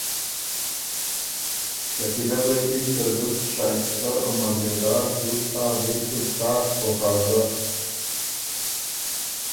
شکیلۀ غوېکِن که ”زُت شائسته او مزېدار تُوت هۀ بالکل څاک او تازۀ“